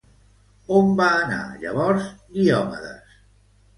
On va anar, llavors, Diòmedes?